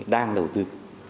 đang đầu tư